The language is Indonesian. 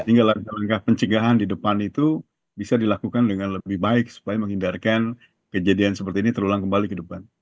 sehingga langkah langkah pencegahan di depan itu bisa dilakukan dengan lebih baik supaya menghindarkan kejadian seperti ini terulang kembali ke depan